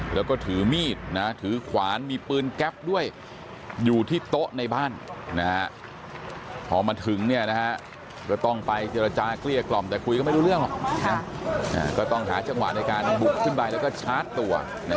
แรกด้วยอยู่ที่โต๊ะในบ้านพอมาถึงต้องไปเกลี่ยกล่อมแต่คุยก็ไม่รู้เรื่องก็ต้องหาจังหวะในการบุกขึ้นไปแล้วก็ชาร์จตัว